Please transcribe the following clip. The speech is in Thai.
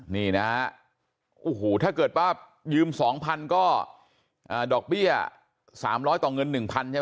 นี่นะฮะโอ้โห้ถ้าเกิดว่ายืมสองพันก็ดอกเบี้ยสามร้อยต่อเงินหนึ่งพันใช่ไหม